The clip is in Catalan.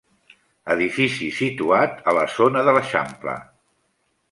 Edifici situat a la zona de l'eixample.